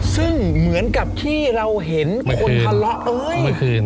ซึ่งเหมือนกับที่เราเห็นคนทะเลาะเอ้ย